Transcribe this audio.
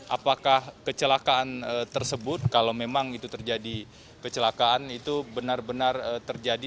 apakah kecelakaan tersebut kalau memang itu terjadi kecelakaan itu benar benar terjadi